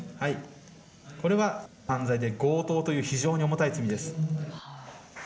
これは犯罪で、強盗という非常に重たい罪です。